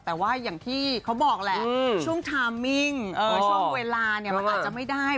แต่ว่าอย่างที่เขาบอกแหละช่วงเวลามันอาจจะไม่ได้